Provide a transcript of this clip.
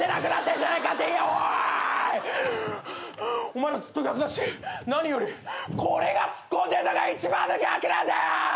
お前らずっと逆だし何よりこれがツッコんでんのが一番の逆なんだよ！